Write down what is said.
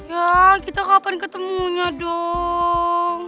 ya kita kapan ketemunya dong